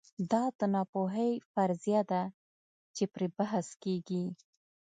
دا د ناپوهۍ فرضیه ده چې پرې بحث کېږي.